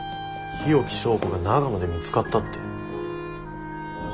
日置昭子が長野で見つかったって。